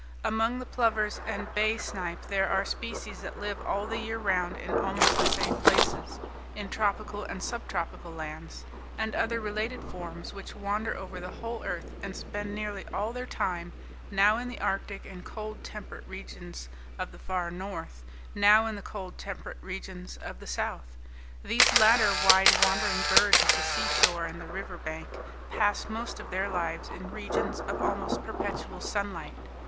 Among the plovers and bay snipe there are species that live all the year round in almost the same places, in tropical and subtropical lands; and other related forms which wander over the whole earth, and spend nearly all their time, now in the arctic and cold temperate regions of the far north, now in the cold temperate regions of the south. These latter wide wandering birds of the seashore and the river bank pass most of their lives in regions of almost perpetual sunlight.